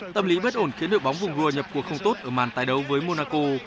tâm lý bất ổn khiến đội bóng vùng vua nhập cuộc không tốt ở màn tài đấu với monaco